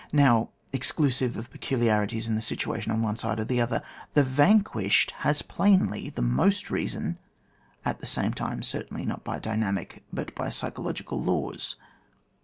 Now (exclusive of peculiarities in the situation on one side or the other) the vanquished has plainly the most reason, at the same time certainly not by dynamic, but by psychological laws.